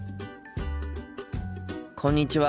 こんにちは。